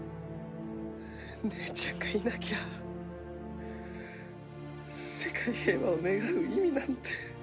姉ちゃんがいなきゃ世界平和を願う意味なんて。